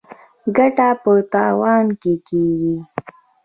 ګټه په تاوان کیږي.